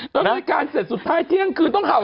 แล้วรายการเสร็จสุดท้ายเที่ยงคืนต้องเห่า